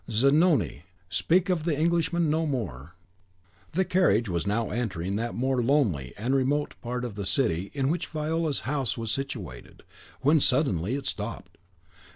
"Zanoni! Speak of the Englishman no more." The carriage was now entering that more lonely and remote part of the city in which Viola's house was situated, when it suddenly stopped.